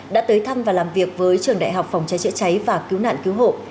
đã tới thăm và làm việc với trường đại học phòng cháy chữa cháy và cứu nạn cứu hộ